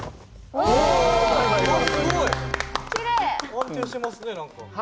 安定してますね何か。